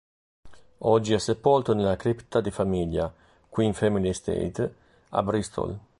Oggi è sepolto nella cripta di famiglia "Quinn Family Estate", a Bristol.